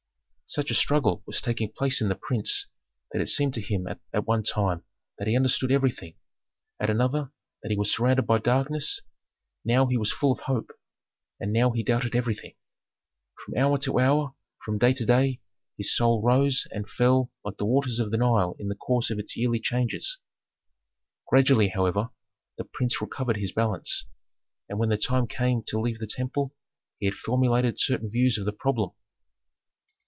Such a struggle was taking place in the prince that it seemed to him at one time that he understood everything, at another that he was surrounded by darkness; now he was full of hope, and now he doubted everything. From hour to hour, from day to day, his soul rose and fell like the waters of the Nile in the course of its yearly changes. Gradually, however, the prince recovered his balance, and when the time came to leave the temple, he had formulated certain views of the problem.